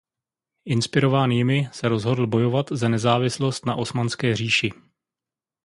Inspirován jimi se rozhodl bojovat za nezávislost na Osmanské říši.